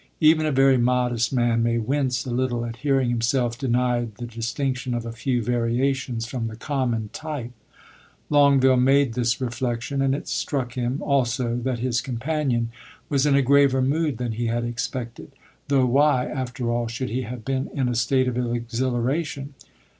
Even a very modest man may wince a little at hearing himself denied the distinction of a few variations from the common type. Longueville made this reflection, and it struck him, also, that his companion was in a graver mood than he had expected; though why, after all, should he have been in a state of exhilaration?